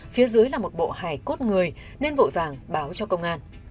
phía dưới là một bộ hải cốt người nên vội vàng báo cho công an